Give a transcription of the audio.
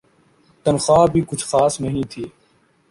تنخواہ بھی کچھ خاص نہیں تھی ۔